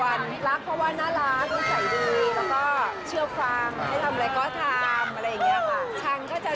ไม่ต้องย้อนตะวันรักเพราะว่าน่ารักมันขายดีแล้วก็เชื่อฟังให้ทำอะไรก็ทำอะไรอย่างนี้ค่ะ